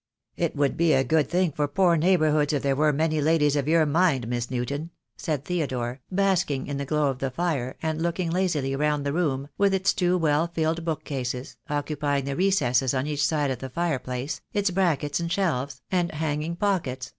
"It would be a good thing for poor neighbourhoods if there were many ladies of your mind, Miss Newton," said Theodore, basking in the glow of the fire, and looking lazily round the room, with its two well filled bookcases, occupying the recesses on each side of the fireplace, its brackets and shelves, and hanging pockets, 2 54 THE DAY WILL COME.